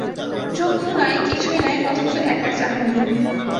চক্ষু নাই, কিছুই নাই, অথচ একটা চাহনি।